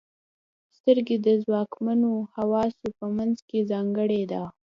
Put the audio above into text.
• سترګې د ځواکمنو حواسو په منځ کې ځانګړې دي.